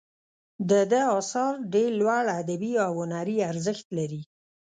د ده آثار ډیر لوړ ادبي او هنري ارزښت لري.